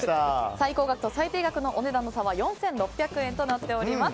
最高額と最低額のお値段の差は４６００円となっております。